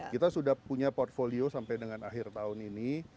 kita sudah punya portfolio sampai dengan akhir tahun ini